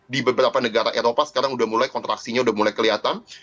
di beberapa negara eropa sekarang sudah mulai kontraksinya udah mulai kelihatan